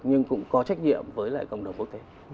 nhưng cũng có trách nhiệm với lại cộng đồng quốc tế